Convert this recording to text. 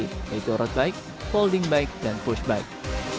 yaitu road bike folding bike dan push bike